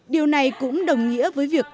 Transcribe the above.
điều này cũng đồng nghĩa với việc